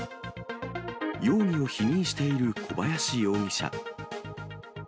容疑を否認している小林容疑者。